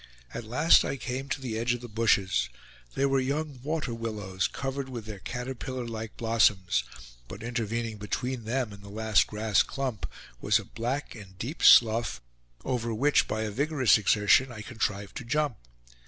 At last I came to the edge of the bushes: they were young waterwillows, covered with their caterpillar like blossoms, but intervening between them and the last grass clump was a black and deep slough, over which, by a vigorous exertion, I contrived to jump.